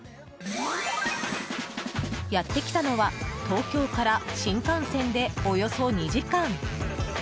やってきたのは東京から新幹線でおよそ２時間。